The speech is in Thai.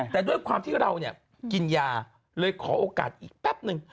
แต่ด้วยความที่เราเนี่ยกินยาเลยขอโอกาสอีกแป๊บนึง